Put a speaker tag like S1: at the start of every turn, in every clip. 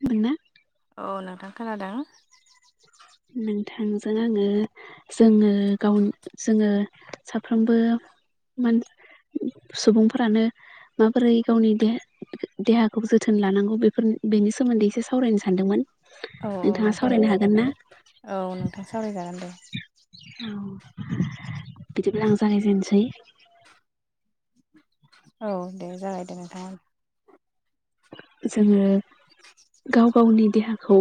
S1: खोनादों ना?
S2: औ नोंथां खोनादों।
S1: नोंथांजों आङो जोङो गाव जोङो साफ्रोमबो मा सुबुंफोरानो माबोरै गावनि देहाखौ जोथोन लानांगौ बेफोर बेनि सोमोन्दै एसे सावरायनो सानदोंमोन।
S2: औ औ
S1: नोंथाङा
S2: नोंथां
S1: सावरायनो हागोन ना?
S2: औ नोंथां सावरायजागोन दे।
S1: बिदिब्ला आं जागायजेनसै।
S2: औ दे जागाय दे नोंथां।
S1: जोङो गाव गावनि देहाखौ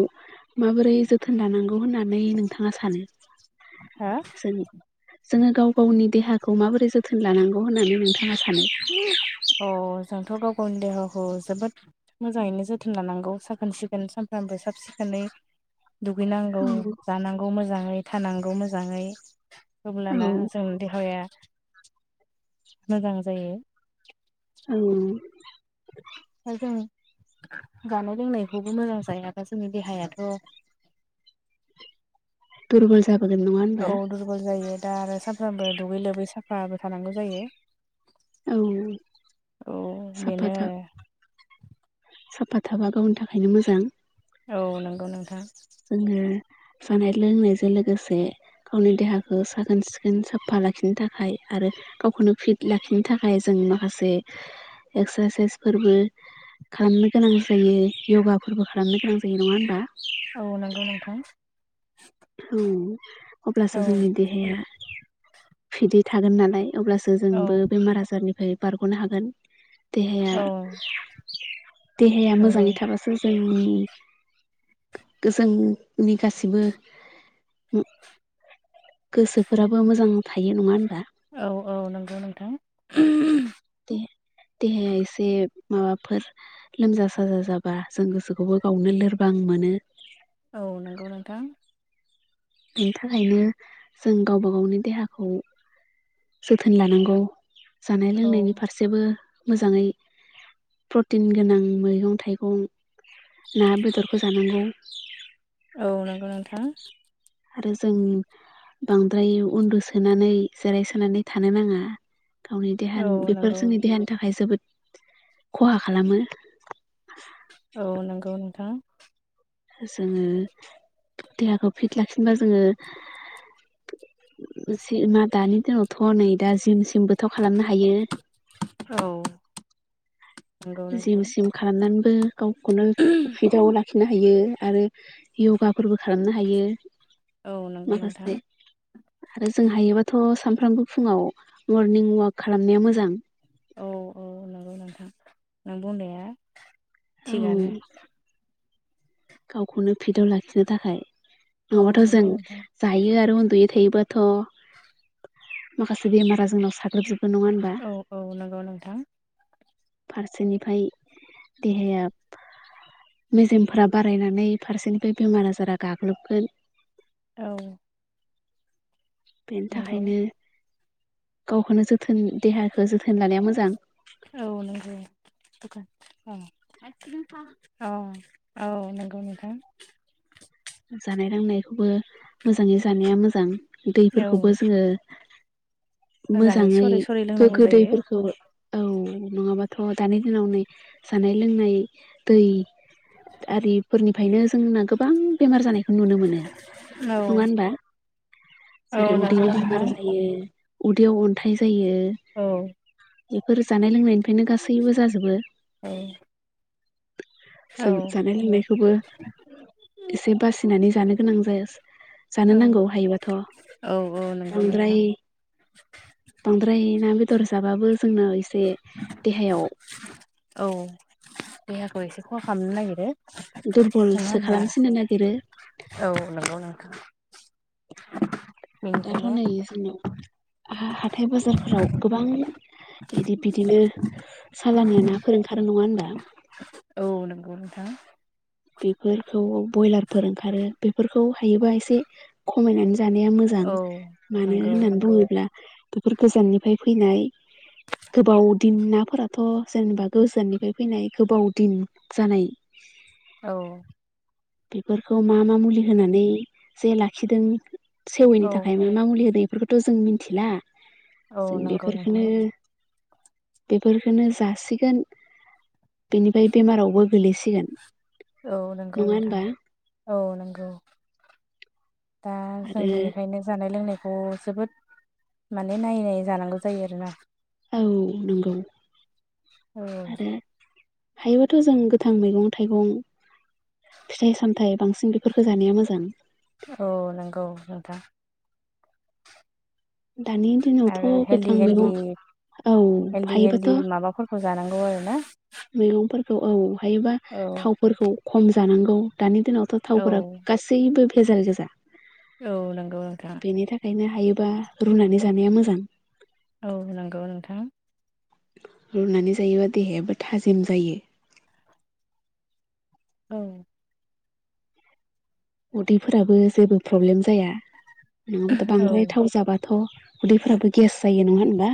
S1: माबोरै जोथोन लानांगौ होननानै नोंथाङा सानो?
S2: हा?
S1: जों जोङो गाव गावनि देहाखौ माबोरै जोथोन लानांगौ होननानै नोंथाङा सानो?
S2: अ। जोंथ' गाव-गावनि देहाखौ जोबोद मोजाङैनो जोथोन लानांगौ साखोन-सिखोन सानफ्रामबो साब-सिखोनै।
S1: [inaudible]
S2: दुगैनांगौ,
S1: औ
S2: जानांगौ मोजाङै, थानांगौ मोजाङै।
S1: औ
S2: अब्लाना जोंनि देहाया [inaudible] मोजां जायो।
S1: औ।
S2: दा जों जानाय लोंनायखौबो मोजां जाया आरो। दा जोंनि देहायाथ'
S1: दुरगल जाबोगोन नङा
S2: औ
S1: होनबा?
S2: दुरबल जायो दा आरो सानफ्रोमबो दुगै लोबै साफाबो थानांगौ जायो।
S1: औ
S2: औ
S1: [inaudible] साफा
S2: बेनो
S1: था साफा थाफा गावनि थाखायनो मोजां।
S2: औ नंगौ नोंथां।
S1: जोङो जानाय लोंनायजों लोगोसे गावनि देहाखौ साखोन-सिखोन साफा लाखिनो थाखाय आरो गावखौनो फिट लाखिनो थाखाय जों माखासे एक्सारसाइसफोरबो खालामनो गोनां जायो य'गाफोरबो खालामनो गोनां जायो नङा होनबा
S2: औ नंगौ नोंथां।
S1: औ अब्लासो
S2: औ
S1: जोंनि देहाया फिदै थागोन नालाय अब्लासो
S2: औ
S1: जोंबो बेमार आजारनिफ्राय बारग'नो हागोन देहाया
S2: औ
S1: देहाया
S2: नंगौ
S1: मोजाङै थाबासो जों उम गोजनि गाससिबो उम गोसोफोराबो मोजां थायो नङा होन
S2: औ औ नंगौ नोंथां।
S1: देह-देहाया एसे माबाफोर लोमजा साजा जाबा जों गोसोखौबो गावनो लोरबां मोनो
S2: औ नंगौ नोंथां।
S1: बेनि थाखायनो जों गावबा गावनि देहाखौ जोथोन लानांगौ जानाय
S2: औ
S1: लोंनायनि फारसेबो मोजाङै प्रटिन गोनां मैगं थाइगं ना बेदरखौ जानांगौ
S2: औ नंगौ नोंथां
S1: आरो जों बांद्राय उन्दुसोनानै जिराय सोनानै थानो नाङा गावनि
S2: औ
S1: देहानि बेफोर
S2: नंगौ
S1: जोंनि देहानि थाखाय जोबोद खहा खालामो
S2: औ नंगौ नोंथां।
S1: जोङो देहाखौ फिट लाखिनोबा जोङो इसे मा दानि दिनावथ नै दा जिम सिम जोंबोथ' खालामनो हायो
S2: औ नंगौ
S1: जिम
S2: नोंथां
S1: सिम खालामनानैबो गावखौनो उफिदआव ला खिनो हायो आरो यगाफोरबो खालामनो हायो
S2: औ नंगौ नोंथां।
S1: माखासे आरो जों हायोबाथ' सामफ्रामबो फुङाव मरनिं वाक खालामनाया मोजां
S2: औ औ नंगौ नोंथां नों बुंनाया
S1: औ
S2: थिगानो।
S1: गावखौनो फिदआव लाखिनो थाखाय
S2: औ
S1: नङाबाथ' जों
S2: नंगौ नोंथां
S1: जायो आरो उन दुयै थायोबाथ' माखासे बेमारा जोंनाव साग्लोबजोब
S2: औ औ नंगौ नोंथां।
S1: फारसेनिफ्राय देहाया मेजेमफोराब बारायनानै फारसेनिफ्राय बेमार आजारा गाग्लोबगोन
S2: औ।
S1: बेनि
S2: नंगौ
S1: थाखायनो गावखौनो जोथोन देहाखौ जोथोन लानाया मोजां
S2: औ नंगौ दखान अ औ औ औ नंगौ नोंथां
S1: जानाय लोंनायखौबो मोजाङै जानाया मोजां
S2: औ
S1: दैफोरखौबो जोङो मोजाङै
S2: सरै सरै लोंनांगौ
S1: गोग्गो
S2: जायो
S1: दैैफोरखौ औ नङाबाथ' दानि दिनाव नै जानाय लोंनाय दै आरिफोरनिफ्रायनो जोंना गोबां बेमार जानायखौ नुनो मोनो नङा
S2: औ
S1: होनबा
S2: औ
S1: जेरै
S2: नंगौ
S1: उदैनि
S2: नोंथां
S1: बेमार जायो उदैयाव अन्थाइ जायो
S2: औ
S1: बेफोर जानाय लोंनायनि फायनो गासैबो जाजोबो
S2: औ
S1: जों
S2: औ
S1: जानाय लोंनायखौबो एसे बासिनानै जानो गोनां जायासै जानो नांगौ
S2: औ
S1: हायोबाथ'
S2: औ नंगौ नोंथां
S1: बांद्राय बांद्राय ना बेद थर जाबाबो जोंना एसे देहायाव
S2: औ देहाखौ एसे खहा खालामनो नागिरो नङा
S1: दुरबलसो
S2: होमबा
S1: खालामसिननो नागिरो
S2: औ नंगौ नोंथां [unintelligible]
S1: दाथ' नै जोंनियाव हाथाय बाजारफोराव गोबां बिदि बिदिनो सालानिया नाफोर ओंखारो नङा होनबा
S2: औ नंगौ नोंथां
S1: बेफोरखौ बयलार फोर ओंखारो बेफोरखौ हायोबा एसे खमायनानै जानाया मोजां
S2: औ
S1: मानो
S2: नंगौ
S1: होननानै बुङोब्ला बेफोर गोजाननिफ्राय फैनाय गोबाव दिन नाफोराथ' जेनेबा गोजाननिफ्राय फैनाय गोबाव दिन जानाय [unintelligible]
S2: औ
S1: बेफोरखौ मा मा मुलि होनानै जे लाखिदों सेवैनि
S2: औ
S1: थाखाय म मा मुलि होदों इफोरखौथ' जों मिनथिला
S2: औ नंगौ
S1: सिंगिफोरखोनो
S2: नोंथां
S1: बेफोरखोनो जासिगोन बेनिफ्राय बेमारावबो गोलैसिगोन
S2: औ नंगौ
S1: नङा
S2: नोंथां
S1: होनबा
S2: औ नंगौ दा जों
S1: आरो
S2: बेनिखायनो जानाय लोंनायखौ खौ जोबोद माने नायै नायै जानांगौ जायो आरोना
S1: औ नंगौ
S2: औ
S1: आरो हायोबाथ' जों गोथां मैगं थाइगं फिथाइ सामथायाइ बांसिन बेफोरखो जानाया मोजां
S2: औ नंगौ नोंथां
S1: दानि दिनावथ'
S2: आरो हेलधि
S1: गोथां मैगं
S2: हेलधि
S1: औ
S2: हेलदि
S1: हायोबाथ'
S2: हेलदि माबाफोरखौ जानांगौ आरो ना
S1: मैगंफोरखौ औ हायोबा
S2: औ
S1: थावफोरखौ खम जानांगौ दानि दिनावथ'
S2: औ
S1: थावफोरा गासैबो भेजाल गोजा
S2: औ नंगौ नोंथां
S1: बेनि थाखायनो हायोबा रुनानै जानाया मोजां
S2: औ नंगौ नोंथां
S1: रुनानै जायोबा देहायाबो थाजिम जायो
S2: औ
S1: उदैफोराबो जेबो प्रब्लेम जाया नङाबाथ'
S2: औ
S1: बांद्राय थाव जाबा थ' उदैफोराबो गेस जायो नङा होनबा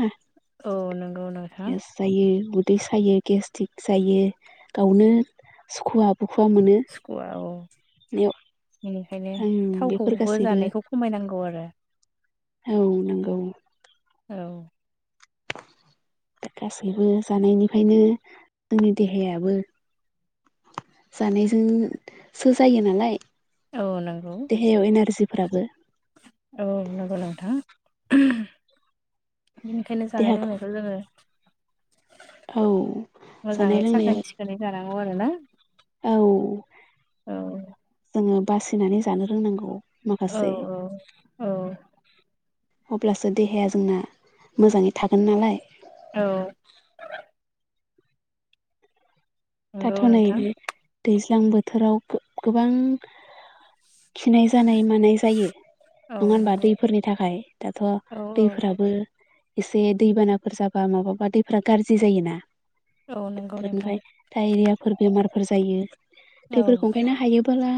S2: औ नंगौ नोंथां
S1: गेस जायो उदै सायो गेस्ट्रिक जायो गावनो सुखुवा बुखुवा मोनो
S2: सखुवा औ बेनिखायनो
S1: आं बेफोर
S2: थावखौबो
S1: गासैबो
S2: जानायखौ खमायनांगौ आरो
S1: औ नंगौ
S2: औ
S1: [unintelligible] गासैबो जानायनिफ्रायनो जोंनि देहायाबो जानायजोंसो जायो नालाय
S2: औ नंगौ
S1: देहायाव एनारजिफोराबो
S2: औ नंगौ नोंथां [unintelligible] बेनिखायनो जानाय
S1: देहाखौ
S2: लोंनायखौ जोङो
S1: औ जानाय
S2: मोजाङै
S1: लोंनाया
S2: साखोन सिखोनै जानांगौ आरोना
S1: औ
S2: औ
S1: जोङो बासिनानै जानो रोंनांगौ माखासे
S2: औ औ औ
S1: अब्लासो देहाया जोंना मोजाङै थागोन नालाय
S2: औ।
S1: दाथ'
S2: नंगौ
S1: नै
S2: नोंथां
S1: दैज्लां बोथोराव गो-गोबां खिनाय जानाय, मानाय जायो।
S2: औ
S1: नङा होनबा
S2: नंगौ
S1: दैफोरनि थाखाय, दाथ'
S2: औ औ
S1: दैफोराबो एसे दैबानाफोर जाबा माबाबा दैफोरा गाज्रि जायोना।
S2: औ नंगौ नोंथां।
S1: बेफोरनिफ्राय डायरियाफोर बेमारफोर जायो।
S2: औ
S1: बेफोरखौ ओंखायनो हायो हायोबोला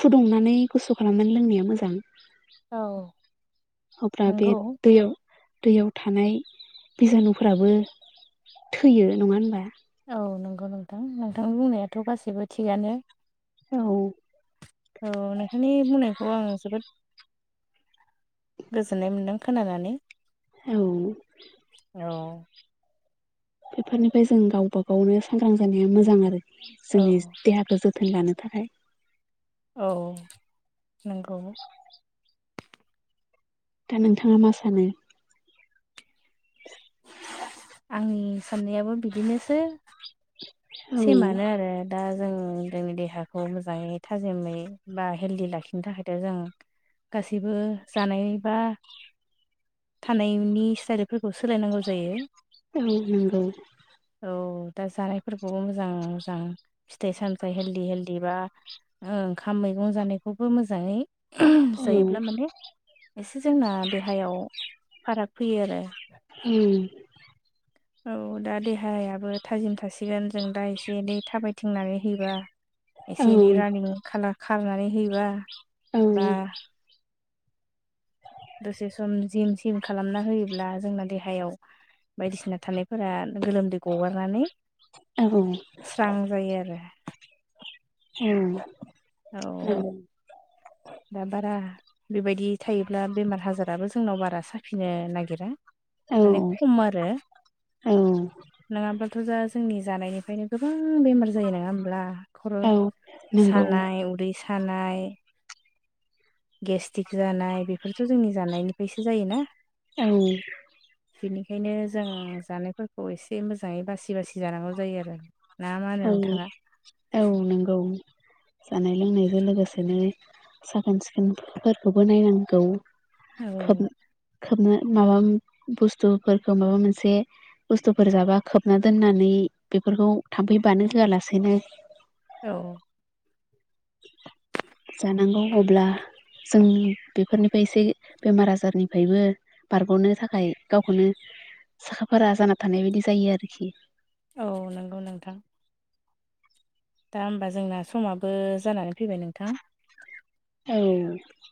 S1: फुदुंनानै गुसु खालामनानै लोंनाया मोजां।
S2: औ
S1: अब्ला बे
S2: नंगौ
S1: दैयाव दैयाव थानाय बिजानुफोराबो थैयो नङा होनबा?
S2: औ नंगौ नोंथां। नोंथांनि बुंनायाथ' गासैबो थिगआनो।
S1: औ।
S2: औ, नोंथांनि बुंनायखौ आं जोबोद गोजोननाय मोनदों खोनानानै
S1: औ
S2: औ।
S1: बेफोरनिफ्राय जों गावबा -गावनो सांग्रां जानाया मोजां आरो। जोंनि देहाखौ जोथोन जोथोन लानो थाखाय।
S2: औ नोंगौ।
S1: दा नोंथाङा मा सानो?
S2: आंनि साननायाबो बिदिनोसै
S1: औ
S2: सेमानो आरो दा जों जोंनि देहाखौ मोजाङै थाजिमै बा हेल्दि लाखिनो थाखायथ' जों गासिबो जानायनि बा थानायनि स्टाइलफोरखौ सोलायनांगौ जायो।
S1: औ नंगौ।
S2: औ दा जानायफोरखौबो मोजां- मोजां फिथाइ- सामथाइ हेलदि -हेलदि बा ओंखाम मैगं जानायखौबो मोजाङै
S1: औ
S2: जायोब्ला माने एसे जोंना देहायाव फाराग फैयो आरो।
S1: उम।
S2: औ दा देहायाबो थाजिम थासिगोन। जों दा एसे- एनै थाबायथिंनानै होयोबा
S1: औ
S2: एसे -एनै रानिं खा -खालामनानै होयोबा बा
S1: औ।
S2: दसे सम जिम- सिम खालामना होयोब्ला, जोंना देहायाव बायदिसिना थानायफोरा गोलोमदै गगारनानै स्रां जायो आरो।
S1: उम।
S2: औ, दा बारा बेबायदि थायोब्ला बेमार आजाराबो जोंनाव बारा साफिनो नागिरा। माने
S1: औ
S2: खम आरो
S1: औ
S2: नङाबा दाथ' दा जोंनि जानायनिफ्रायनो गोबां बेमार जायो नङा होमब्ला? खर'
S1: औ नंगौ।
S2: सानाय उदै सानाय गेस्टिक जानाय बेफोरथ' जोंनि जानायनिफ्रायसो जायोना।
S1: औ।
S2: बिनिखायनो जों जानायफोरखौ एसे मोजाङै बासि- बासि जानांगौ जायो आरो। ना मा होनो
S1: औ,
S2: नोंथाङा?
S1: औ नंगौ। जानाय -लोंनायजों लोगोसेनो साखोन- सिखोनफोरखौबो नायनांगौ। खोब-
S2: औ
S1: खोबनो माबा बुस्थुफोरखौ माबा मोनसे बुस्थुफोर जाबा खोबना दोननानै बेफोरखौ थाम्फै बानो होआलासेनो
S2: औ।
S1: [unintelligible] नंगौ, अब्ला जों बेफोरनिफ्राय एसे बेमार आजारनिफ्रायबो बारग'नो थाखाय गावखौनो साखा फारा जाना थानाय बिदि जायो आरोखि
S2: औ नंगौ नोंथां दा होमबा जोंना समाबो जानानै फैबाय नोंथां
S1: औ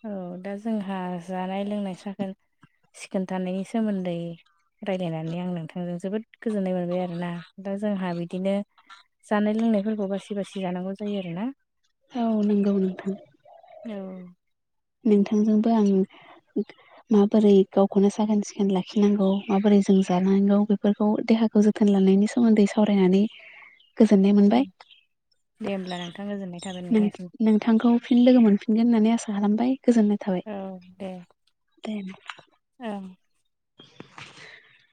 S2: औ दा जोंहा जानाय लोंनाय साखोन सिखोन थानायनि सोमोन्दै रायज्लायनानै आं नोंथांजों जोबोद गोजोननाय मोनबाय आरोना दा जोंहा बिदिनो जानाय लोंनायफोरखौ बासि बासि जानांगौ जायो आरो ना
S1: औ नंगौ नोंथां
S2: औ
S1: नोंथांजोंबो आं माबोरै गावखौनो साखोन सिखोन लाखिनांगौ माबोरै जों जांनागौ बेफोरखौ देहाखौ जोथोन लानायनि सोमोन्दै सावरायनानै गोजोननाय
S2: औ
S1: मोनबाय
S2: दे होमब्ला नोंथां गोजोननाय थाबाय नोंथांसिम
S1: नोंथांखौ फिन लोगो मोनफिनगोन होननानै आसा खालामबाय गोजोननाय थाबाय
S2: दे
S1: दे
S2: औ